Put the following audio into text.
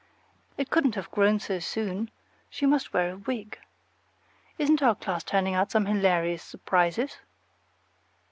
It couldn't have grown so soon; she must wear a wig. Isn't our class turning out some hilarious surprises?